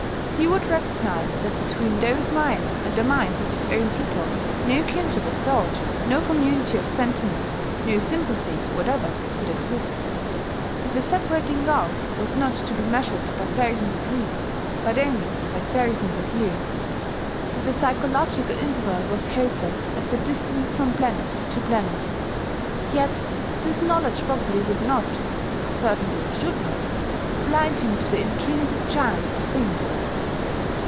He would recognize that between those minds and the minds of his own epoch no kinship of thought, no community of sentiment, no sympathy whatever could exist, that the separating gulf was not to be measured by thousands of leagues, but only by thousands of years, that the psychological interval was hopeless as the distance from planet to planet. Yet this knowledge probably would not certainly should not blind him to the intrinsic charm of things.